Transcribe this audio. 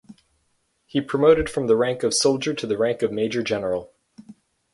He promoted from the rank of soldier to the rank of major general.